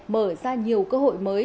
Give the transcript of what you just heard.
mở ra nhiều cơ hội mới